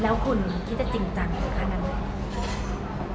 แล้วคุณคิดจะจริงจังถึงขั้นนั้นไหม